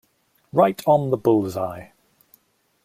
Right on the bull's-eye.